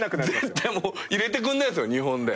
絶対入れてくんないっすよ日本で。